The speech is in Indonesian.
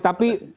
tapi gugatan juga